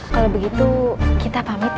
kalau begitu kita pamit